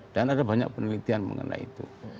dan ada banyak penelitian mengenai itu